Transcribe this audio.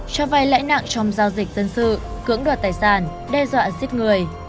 cho vay lãi nặng trong giao dịch dân sự cưỡng đoạt tài sản đe dọa giết người